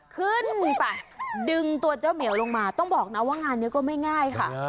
ขึ้นไปดึงตัวเจ้าเหมียวลงมาต้องบอกนะว่างานนี้ก็ไม่ง่ายค่ะ